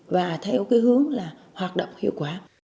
và theo cái hướng là hoạt động hiệu quả